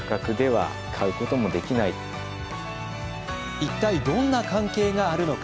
一体どんな関係があるのか。